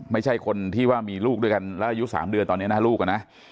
ไม่ใช่คนที่ว่ามีลูกด้วยกันแล้วอายุ๓เดือนตอนนี้นะลูกนะ